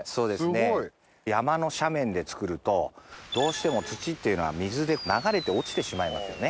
山の斜面で作るとどうしても土っていうのは水で流れて落ちてしまいますよね？